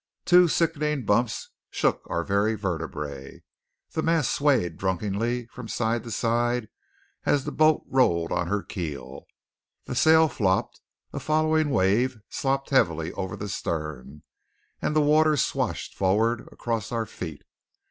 Two sickening bumps shook our very vertebræ. The mast swayed drunkenly from side to side as the boat rolled on her keel, the sail flopped, a following wave slopped heavily over the stern, and the water swashed forward across our feet.